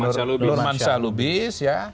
apakah riza patria atau nurmansyah lubis